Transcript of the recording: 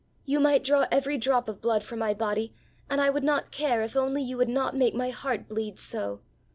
You might draw every drop of blood from my body and I would not care if only you would not make my heart bleed so.